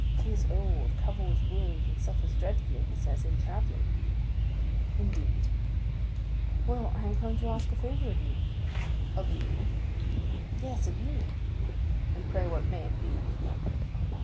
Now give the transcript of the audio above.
"He is old, covered with wounds, and suffers dreadfully, he says, in travelling." "I understand; well, I am come to ask a favor of you." "Of me?" "Yes, of you." "And pray what may it be?"